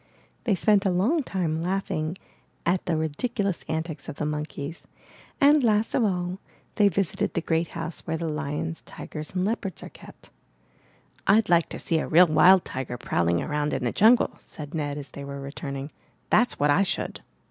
They spent a long time laughing at the ridiculous antics of the monkeys, and, last of all, they visited the great house where the lions, tigers, and leopards are kept. 'Td like to see a real wild tiger prowling around in the jungle,'' said Ned as they were returning. ''That's what I should!"